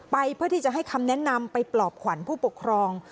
เพื่อที่จะให้คำแนะนำไปปลอบขวัญผู้ปกครอง